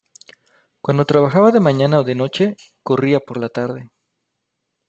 Cuando trabajaba de mañana o de noche, corría por la tarde.